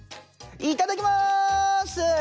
いただきます！